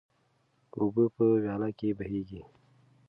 اوبه په ویاله کې بهیږي.